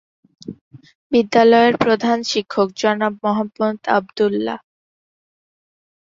বিদ্যালয়ের প্রধান শিক্ষক জনাব মোহাম্মদ আবদুল্লাহ।